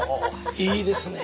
いいですね。